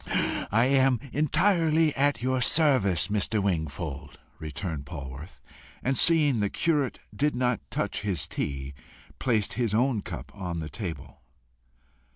"I am entirely at your service, Mr. Wingfold," returned Polwarth, and seeing the curate did not touch his tea, placed his own cup again on the table.